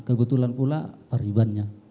kebetulan pula paribannya